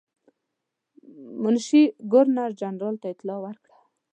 منشي ګورنر جنرال ته اطلاع ورکړه.